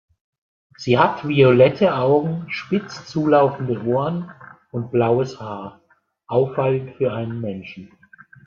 Sie hat violette Augen, spitz zulaufende Ohren und blaues Haar, auffallend für einen Menschen.